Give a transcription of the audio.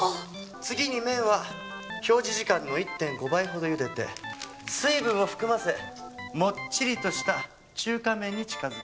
次に麺は表示時間の１．５倍ほどゆでて水分を含ませもっちりとした中華麺に近づける。